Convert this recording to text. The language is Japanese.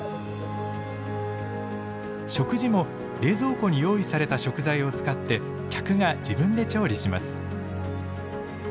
食事も冷蔵庫に用意された食材を使って客が自分で調理します。